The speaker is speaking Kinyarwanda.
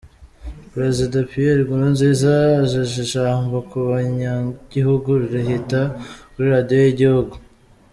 Prezida Pierre Nkurunziza ajeje ijambo ku banyagihugu rihita kuri radio y'igihugu.